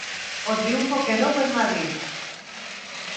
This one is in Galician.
O triunfo quedou en Madrid.